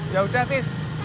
ya udah tis